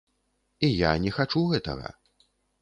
І я не хачу гэтага.